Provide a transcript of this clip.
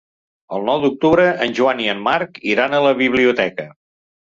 El nou d'octubre en Joan i en Marc iran a la biblioteca.